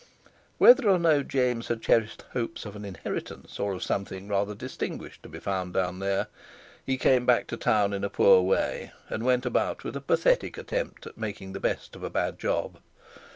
Whether or no James had cherished hopes of an inheritance, or of something rather distinguished to be found down there, he came back to town in a poor way, and went about with a pathetic attempt at making the best of a bad job.